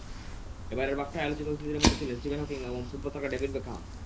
এবারের বাফটায় আলোচিত অতিথিদের মধ্যে ছিলেন স্টিফেন হকিং এবং ফুটবল তারকা ডেভিড বেকহাম।